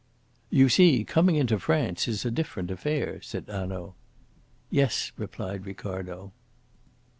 "You see, coming into France is a different affair," said Hanaud. "Yes," replied Ricardo.